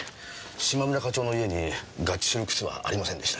嶋村課長の家に合致する靴はありませんでした。